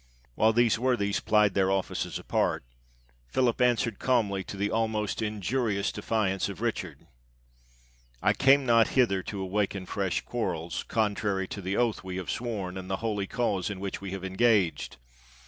While these worthies plied their ofiices apart, Philip answered calmly to the almost injurious defiance of Richard, — "I came not hither to awaken fresh quar rels, contrary to the oath we have sworn, and the holy cause in which we have engaged.